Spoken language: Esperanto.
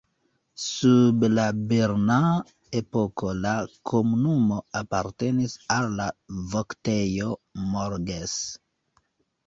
Sub la berna epoko la komunumo apartenis al la Voktejo Morges.